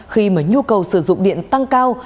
khi mà nhu cầu sử dụng điện tăng cao